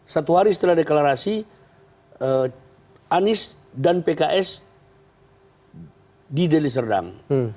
satu hari setelah deklarasi anies dan pks di deliserdang